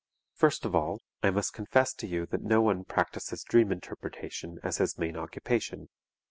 First of all, I must confess to you that no one practices dream interpretation as his main occupation.